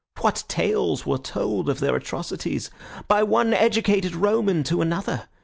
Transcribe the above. What tales were told of their atrocities by one educated Roman to another?